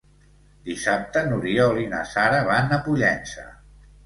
Dissabte n'Oriol i na Sara van a Pollença.